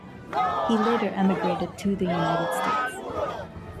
He later emigrated to the United States.